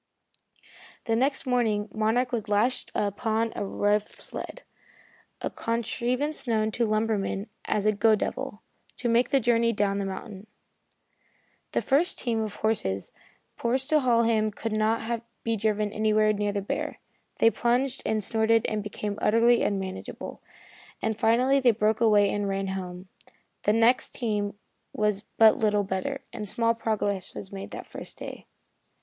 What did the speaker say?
The next morning Monarch was lashed upon a rough sled a contrivance known to lumbermen as a "go devil" to make the journey down the mountain. The first team of horses procured to haul him could not be driven anywhere near the bear. They plunged and snorted and became utterly unmanageable, and finally they broke away and ran home. The next team was but little better, and small progress was made the first day.